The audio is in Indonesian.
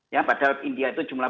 ya padahal india itu jumlah